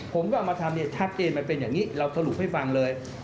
เอามาทำเนี่ยชัดเจนมันเป็นอย่างนี้เราสรุปให้ฟังเลย